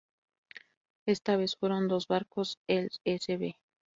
Esta vez fueron dos barcos, el "Sv.